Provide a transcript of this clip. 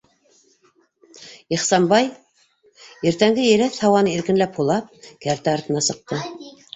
Ихсанбай, иртәнге еләҫ һауаны иркенләп һулап, кәртә артына сыҡты.